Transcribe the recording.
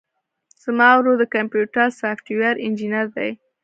زما ورور د کمپيوټر سافټوېر انجينر دی.